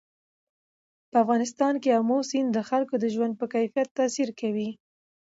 په افغانستان کې آمو سیند د خلکو د ژوند په کیفیت تاثیر کوي.